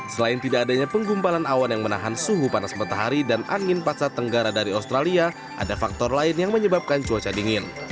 selain tidak adanya penggumpalan awan yang menahan suhu panas matahari dan angin pasat tenggara dari australia ada faktor lain yang menyebabkan cuaca dingin